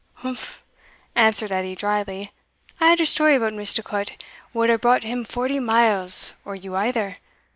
"Umph!" answered Edie drily. "I had a story about Misticot wad hae brought him forty miles, or you either.